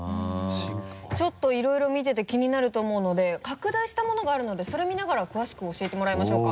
ちょっといろいろ見てて気になると思うので拡大したものがあるのでそれ見ながら詳しく教えてもらいましょうか。